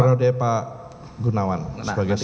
di periode pak gunawan sebagai sesi